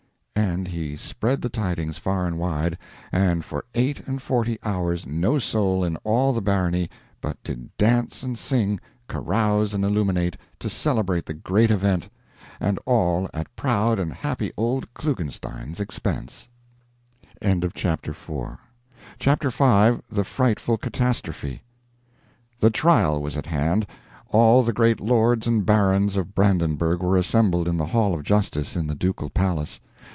And he spread the tidings far and wide, and for eight and forty hours no soul in all the barony but did dance and sing, carouse and illuminate, to celebrate the great event, and all at proud and happy old Klugenstein's expense. CHAPTER V. THE FRIGHTFUL CATASTROPHE. The trial was at hand. All the great lords and barons of Brandenburgh were assembled in the Hall of Justice in the ducal palace.